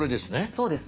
そうです。